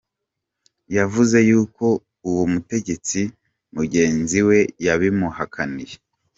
Yavuze y'uko uwo mutegetsi mugenzi we yabimuhakaniye.